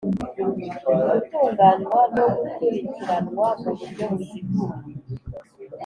Gutunganywa no gukurikiranwa mu buryo buziguye